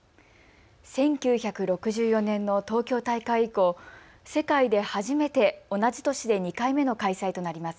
１９６４年の東京大会以降、世界で初めて同じ都市で２回目の開催となります。